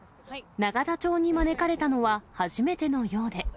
永田町に招かれたのは初めてのようで。